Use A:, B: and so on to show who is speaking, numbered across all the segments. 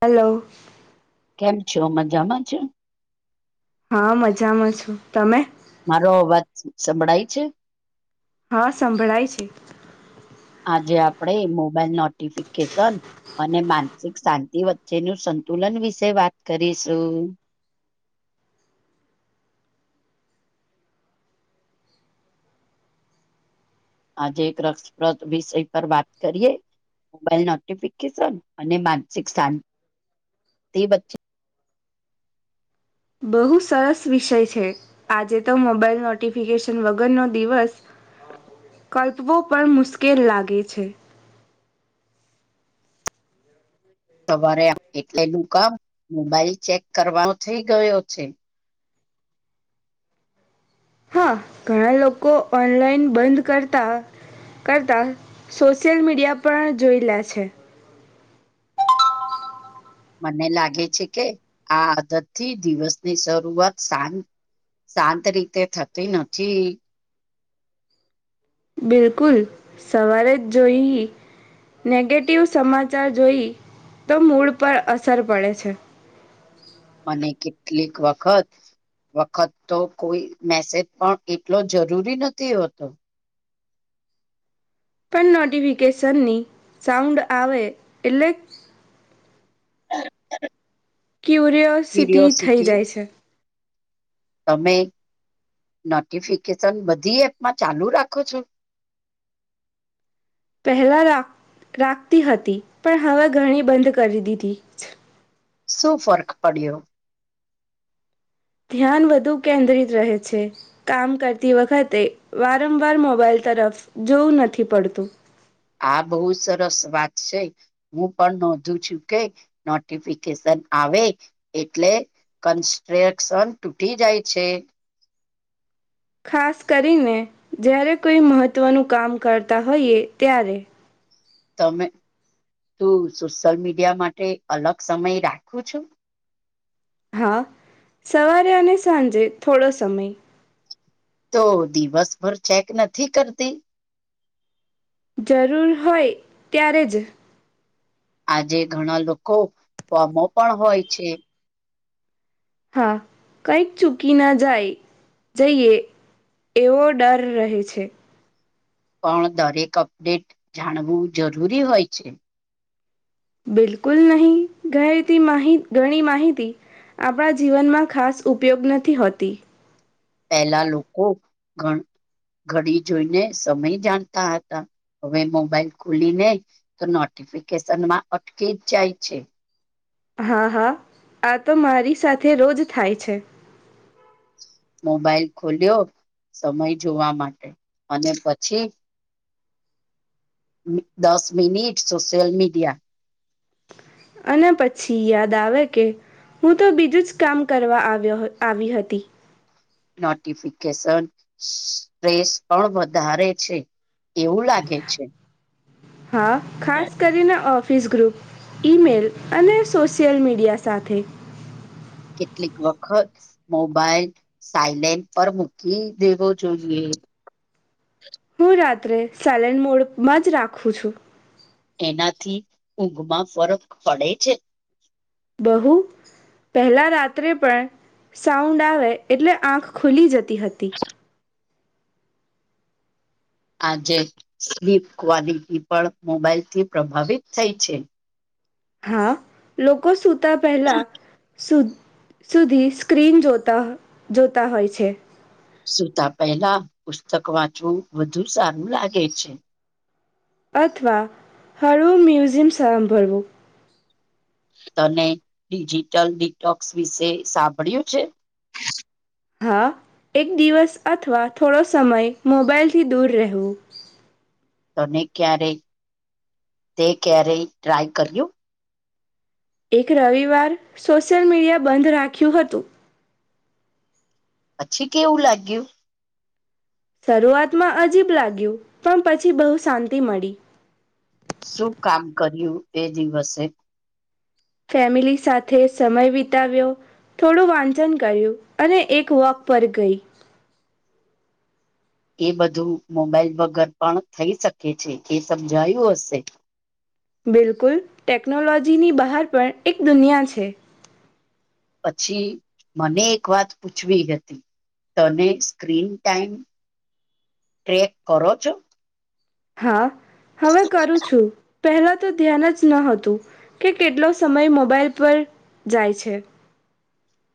A: Hello.
B: કેમ છો મજામાં છો?
A: હા મજામાં છુ તમે.
B: મારો અવાજ સંભળાય છે.
A: હા સંભળાય છે.
B: આજે આપડે મોબાઈલ નોટિફિકેશન અને માનસિક શાંતિ વચ્ચે નું સંતુલન વિશે વાત કરીશું. આજે એક રસપ્રદ વિષય પર વાત કરીએ મોબાઈલ નોટિફિકેશન અને માનસિક શાંતિ વચ્ચે
A: બહુ સરસ વિષય છે. આજે તો મોબાઈલ નોટિફિકેશન વગર નો દિવસ. કલ્પવો પણ મુશ્કેલ લાગે છે.
B: સવારે એટલે નું કામ મોબાઈલ ચેક કરવાનો થઇ ગયો છે.
A: હા ઘણા લોકો ઓનલાઈન બંધ કરતા. કરતાં સોશિયલ મીડિયા પણ જોઈ લે છે.
B: મને લાગે છે કે આ આદત થી દિવસની શરૂઆત સારી. શાંત રીતે થતી નથી.
A: બિલકુલ સવારે જ જોઈ. નેગેટિવ સમાચાર જોઈ તો મૂળ પર અસર પડે છે.
B: અને કેટલીક વખત. વખત તો કોઈ મેસેજ પણ એટલો જરૂરી નથી હોતો.
A: પણ નોટિફિકેશનની સાઉન્ડ આવે એટલે.
B: હા [inaudible]
A: ક્યુરિઓસિટી થઈ જાય છે.
B: તમે નોટિફિકેશન બધી એપમાં ચાલુ રાખો છો.
A: પહેલા રાખ રાખતી હતી પણ હવે ઘણી બંધ કરી દીધી.
B: શું ફર્ક પડ્યો.
A: ધ્યાન વધુ કેન્દ્રિત રહે છે. કામ કરતી વખતે વારંવાર મોબાઈલ તરફ જોવું નથી પડતું
B: આ બહુત સરસ વાત છે. હું પણ નોંધું છું કે નોટિફિકેશન આવે. એટલે કન્સ્ટ્રક્શન તૂટી જાય છે.
A: ખાસ કરીને જ્યારે કોઈ મહત્ત્વનું કામ કરતા હોઈએ ત્યારે.
B: તમે તું સોશિયલમીડિયા માટે અલગ સમય રાખો છું.
A: હા સવારે અને સાંજે થોડો સમય.
B: તો દિવસભર ચેક નથી કરતી.
A: જરૂર હોય ત્યારે જ.
B: આજે ઘણા લોકો ફોમો પણ હોય છે.
A: હા કંઈક ચૂકી ના જાય જઈએ. એવો ડર રહે છે.
B: પણ દરેક અપડેટ જાણવું જરૂરી હોય છે.
A: બિલકુલ નહી ગઈ [unintelligible] માહિત ઘણી માહિતી. આપણા જીવનમાં ખાસ ઉપયોગ નથી હોતી.
B: પહેલા લોકો ગણ ઘડી જોઈને સમય જાણતા હતા હવે મોબાઈલ ખોલીને. તો નોટિફિકેશન માં અટકી જ જાય છે.
A: હા હા આ તો મારી સાથે રોજ થાય છે.
B: મોબાઈલ ખોલ્યો સમય જોવા માટે અને પછી. દસ મિનિટ સોશિલ મીડિયા.
A: અને પછી યાદ આવે કે. હું તો બીજું જ કામ કરવા આવ્યો આવી હતી.
B: નોટિફિકેશન સસ સ્ટ્રેસ પણ વધારે છે. એવું લાગે છે.
A: હા ખાસ કરીને ઓફિસ ગ્રુપ. ઇમેલ અને સોશિયલ મીડિયા સાથે.
B: કેટલીક વખત મોબાઈલ સાયલેન્ટ પર મૂકી દેવો જોઈએ.
A: હું રાત્રે સાયલેન્ટ મોડમાં જ રાખું છું.
B: એનાથી ઊંઘમાં ફરક પડે છે.
A: બહુ. પહેલાં રાત્રે પણ સાઉન્ડ આવે એટલે આંખ ખુલી જતી હતી.
B: આજે સ્લીપ ક્વલિટી પણ મોબાઈલ થી પ્રભાવિત થઈ છે.
A: હા લોકો સુતા પેલા સુ સુધી સ્ક્રીન જોતા જોતા હોય છે.
B: સુતા પહેલા પુસ્તક વાંચવું વધુ સારું લાગે છે.
A: અથવા હળવો મ્યુઝિયમ સાભરવું
B: તને ડિજિટલ ડિકટોક્સ વિશે સાંભળ્યું છે.
A: હા એક દિવસ અથવા થોડો સમય મોબાઈલથી દૂર રહેવું.
B: તને ક્યારે તે ક્યારેય ટ્રાય કર્યું.
A: એક રવિવાર સોશિયલ મીડિયા બંધ રાખ્યું હતું.
B: પછી કેવું લાગ્યું.
A: શરૂઆતમાં અજીબ લાગ્યું પણ પછી બહુ શાંતિ મળી.
B: શું કામ કર્યું એ દિવસે.
A: ફેમિલી સાથે સમય વિતાવ્યો. થોડું વાંચન કર્યું અને એક વોક પર ગઈ.
B: એ બધું મોબાઈલ વગર પણ થઈ શકે છે એ સમજાયું હશે.
A: બિલકુલ ટેક્નોલોજીની બહાર પણ એક દુનિયા છે.
B: પછી મને એક વાત પૂછવી હતી. તને સ્ક્રીન્ટીમએ ટ્રેક કરો છો.
A: હા હવે કરું છું. પહેલાં તો ધ્યાન જ ન હતું કે કેટલો સમય મોબાઈલ પર જાય છે.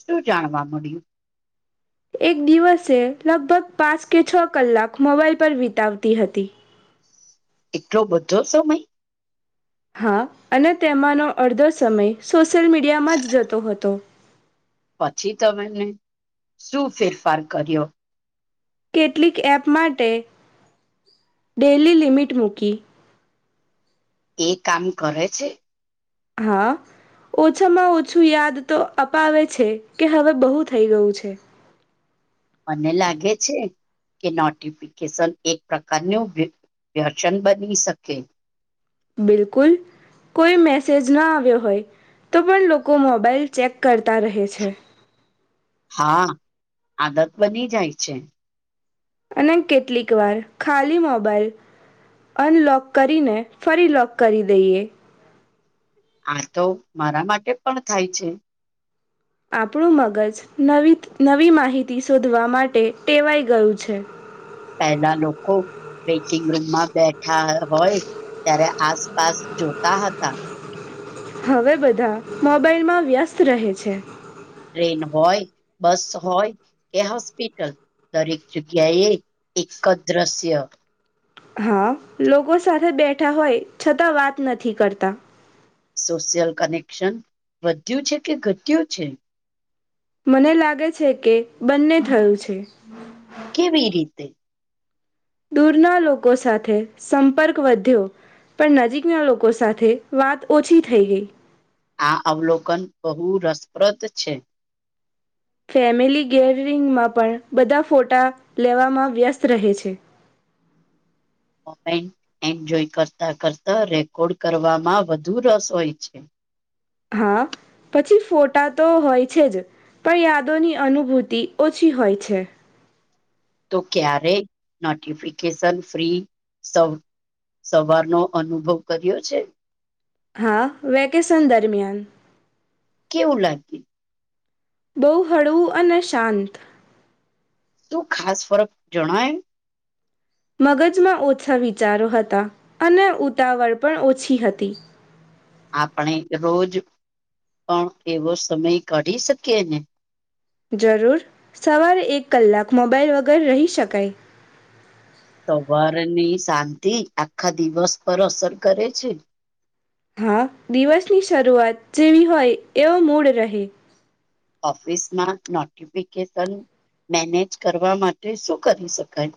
B: શું જાણવા મળ્યું.
A: એક દિવસે લગભગ પાંચ કે છ કલાક મોબાઈલ પર વિતાવતી હતી.
B: એટલો બધો સમય.
A: હા અને તેમાંનો અડધો સમય સોશિયલ મીડિયામાં જ જતો હતો.
B: પછી તમેને શું ફેરફાર કર્યો.
A: કેટલીક એપ માટે ડેલી લિમિટ મૂકી.
B: એ કામ કરે છે.
A: હા. ઓછામાં ઓછું યાદ તો અપાવે છે કે હવે બહુ થઈ ગયું છે.
B: મને લાગે છે કે નોટિફિકેશન એક પ્રકારનું વ્યસન બની શકે.
A: બિલકુલ. કોઈ મેસેજ ન આવ્યો હોય તો પણ લોકો મોબાઈલ ચેક કરતા રહે છે.
B: હા આદત બની જાય છે.
A: અને કેટલીક વાર ખાલી મોબાઈલ અનલોક કરીને ફરી લોક કરી દઈએ.
B: આ તો મારા માટે પણ થાય છે.
A: આપણું મગજ નવી માહિતી શોધવા માટે ટેવાઈ ગયું છે.
B: પહેલા લોકો વેટિંગ રૂમમાં બેઠા હોય ત્યારે આસપાસ જોતા હતા
A: હવે બધા મોબાઈલમાં વ્યસ્ત રહે છે.
B: ટ્રેન હોય બસ હોય કે હોસ્પિટલ દરેક જગ્યા એ એક દ્રશ્ય
A: હા લોકો સાથે બેઠા હોય છતાં વાત નથી કરતા.
B: સોશિયલ કનેક્શન વધ્યું છે કે ઘટ્યું છે.
A: મને લાગે છે કે બંને થયું છે.
B: કેવી રીતે?
A: દૂરના લોકો સાથે સંપર્ક વધ્યો. પણ નજીકના લોકો સાથે વાત ઓછી થઈ ગઈ.
B: આ અવલોકન બહુ રસપ્રદ છે.
A: ફેમિલી ગેધરિંગમાં પણ બધા ફોટા લેવામાં વ્યસ્ત રહે છે.
B: [unintelligible] એન્જોય કરતા કરતા રેકોર્ડ કરવામાં વધુ રસ હોય છે.
A: હા. પછી ફોટા તો હોય છે જ. પણ યાદોની અનુભૂતિ ઓછી હોય છે.
B: તો ક્યારે નોટિફિકેશન ફ્રી સવ્ સવારનો અનુભવ કર્યો છે?
A: હા, વેકેશન દરમિયાન.
B: કેવું લાગ્યું?
A: બહુ હળવું અને શાંત.
B: શું ખાસ ફરક જણાયું?
A: મગજમાં ઓછા વિચારો હતા અને ઉતાવળ પણ ઓછી હતી.
B: આપણે રોજ પણ એવો સમય કાઢી શકીએ ને!
A: જરૂર! સવારે એક કલાક મોબાઈલ વગર રહી શકાય.
B: સવાર ની શાંતિ આખા દિવસ પર અસર કરે છે.
A: હા, દિવસની શરૂઆત જેવી હોય એવો મૂડ રહે.
B: ઓફિસમાં નોટિફિકેશન મેનેજ કરવા માટે શું કરી શકાય?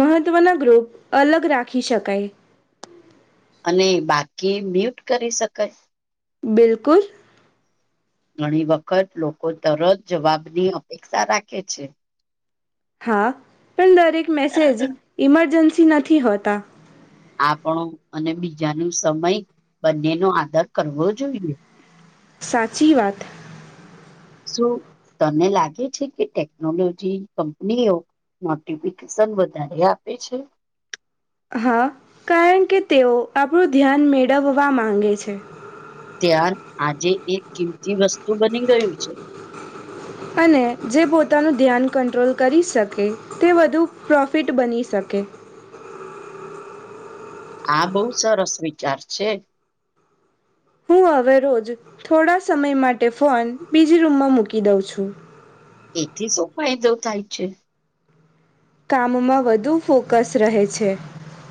A: મહત્વના ગ્રુપ અલગ રાખી શકાય.
B: અને બાકી મ્યુટ કરી શકાય.
A: બિલકુલ.
B: ઘણી વખત લોકો તરત જવાબની અપેક્ષા રાખે છે.
A: હા! પણ દરેક મેસેજ ઇમરજન્સી નથી હોતા.
B: આપણો અને બીજા નો સમય બંને નો આદાર કરવો જોઈએ.
A: સાચી વાત.
B: શું તને લાગે છે કે ટેકનોલોજી કંપનીઓ નોટિફિકેશન વધારે આપે છે?
A: હા, કારણ કે તેઓ આપણું ધ્યાન મેળવવા માંગે છે.
B: ધ્યાન આજે એક કિંમતી વસ્તુ બની ગયું છે.
A: અને જે પોતાનું ધ્યાન કંટ્રોલ કરી શકે તે વધુ પ્રોફિટ બની શકે.
B: આ બહુ સરસ વિચાર છે.
A: હું હવે રોજ થોડા સમય માટે ફોન બીજી રૂમમાં મૂકી દઉં છું.
B: એથી શું ફાયદો થાય છે?
A: કામમાં વધુ ફોકસ રહે છે.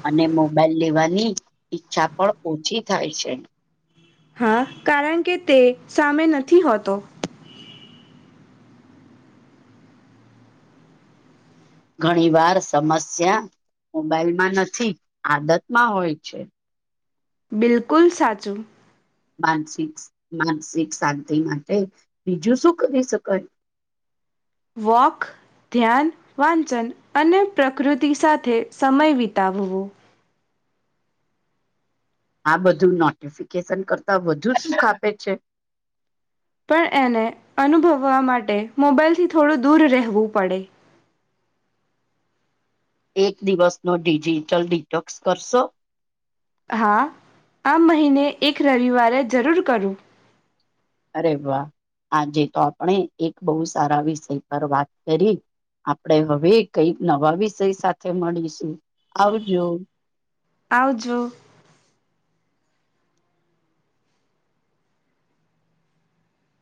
B: અને મોબાઈલ લેવાની ઈચ્છા પણ ઓછી થાય છે.
A: હા! કારણ કે તે સામે નથી હોતો.
B: ઘણી વાર સમસ્યા મોબાઈલમાં નથી, આદતમાં હોય છે.
A: બિલકુલ સાચું.
B: માનસિક માનસિક શાંતિ માટે બીજું શું કરી શકાય?
A: વૉક. ધ્યાન, વાંચન અને પ્રકૃતિ સાથે સમય વિતાવવો.
B: આ બધું નોટિફિકેશન કરતા વધુ સુખ આપે છે.
A: પણ એને અનુભવવા માટે મોબાઈલથી થોડું દૂર રહેવું પડે.
B: એક દિવસ નો ડિજિટલ ડિટોક્સ કરશો?
A: હા આ મહિને એક રવિવારે જરૂર કરું.
B: અરે વાહ આજે તો આપણે એક બહુ સારા વિષય પર વાત કરી આપણેે હવે કઈક નવા વિષય સાથે મળીશું આવજો.
A: આવજો.